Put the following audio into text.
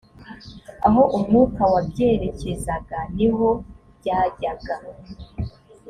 aho umwuka wabyerekezaga ni ho byajyaga